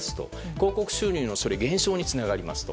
広告収入の減少につながりますと。